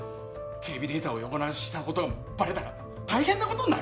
警備データを横流しした事がバレたら大変な事になる。